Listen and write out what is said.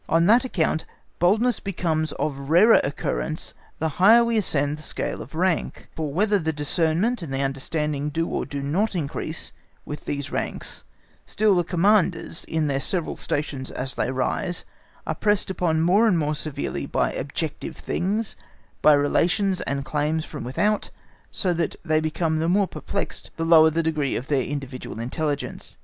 On that account boldness becomes of rarer occurrence the higher we ascend the scale of rank, for whether the discernment and the understanding do or do not increase with these ranks still the Commanders, in their several stations as they rise, are pressed upon more and more severely by objective things, by relations and claims from without, so that they become the more perplexed the lower the degree of their individual intelligence.